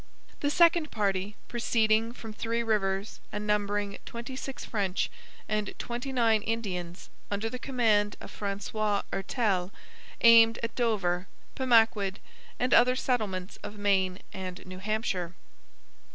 The second party, proceeding from Three Rivers and numbering twenty six French and twenty nine Indians under the command of Francois Hertel, aimed at Dover, Pemaquid, and other settlements of Maine and New Hampshire.